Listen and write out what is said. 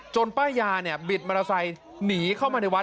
ป้ายาเนี่ยบิดมอเตอร์ไซค์หนีเข้ามาในวัด